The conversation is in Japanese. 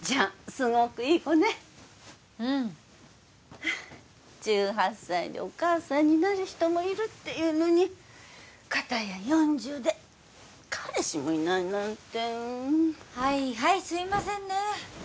すごくいい子ねうん１８歳でお母さんになる人もいるっていうのにかたや４０で彼氏もいないなんてはいはいすいませんね